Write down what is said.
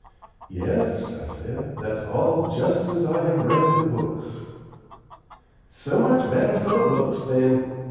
"Yes," I said, "that's all just as I have read in the books." "So much the better for the books, then.